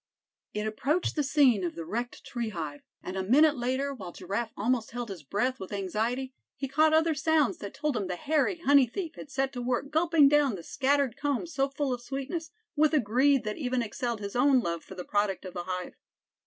It approached the scene of the wrecked tree hive; and a minute later, while Giraffe almost held his breath with anxiety, he caught other sounds that told him the hairy honey thief had set to work gulping down the scattered combs so full of sweetness, with a greed that even excelled his own love for the product of the hive.